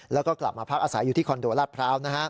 แล้วก็กลับมาพักอาศัยอยู่ที่คอนโดราชพร้าว